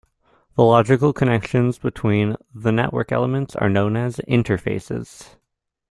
The logical connections between the network elements are known as interfaces.